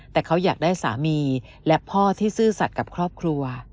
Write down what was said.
แต่เขาอยากได้สามีและพ่อที่ซื่อสัตว์กับครอบครัว